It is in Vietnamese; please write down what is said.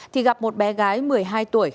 thì gặp một bé gái một mươi hai tuổi